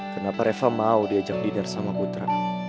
kenapa reva mau diajak dead sama putra